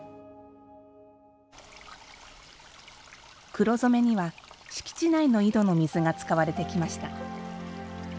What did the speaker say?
黒染めには敷地内の井戸の水が使われてきました。